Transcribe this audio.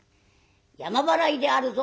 「山払いであるぞ。